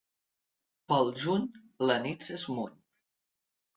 Pel juny, la nit s'esmuny.